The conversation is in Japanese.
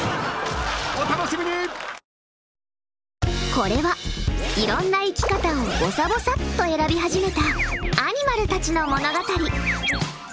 これは、いろんな生き方をぼさぼさっと選び始めたアニマルたちの物語。